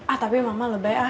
ah tapi mama lebay ah